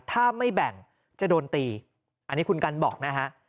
ถ้าไม่แบ่งจะโดนตีอันนี้คุณกันบอกนะฮะ